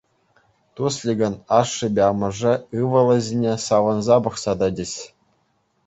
Тусликӑн ашшӗпе амӑшӗ ывӑлӗ ҫине савӑнса пӑхса тӑчӗҫ.